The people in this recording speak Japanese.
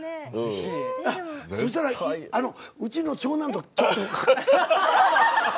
そしたらうちの長男とちょっと。